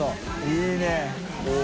いいね。